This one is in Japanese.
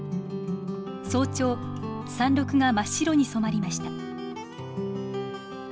早朝山ろくが真っ白に染まりました。